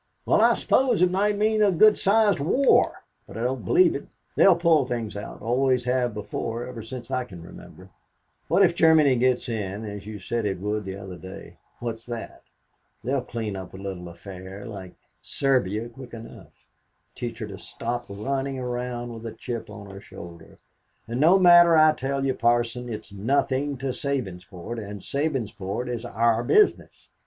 "Well, I suppose it might mean a good sized war, but I don't believe it. They'll pull things out; always have before, ever since I can remember. What if Germany gets in, as you said it would be the other day; what's that? They'll clean up a little affair like Serbia quick enough; teach her to stop running around with a chip on her shoulder. And no matter, I tell you, Parson; it's nothing to Sabinsport, and Sabinsport is our business.